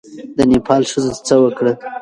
د نېپال ښځو څه وکړل؟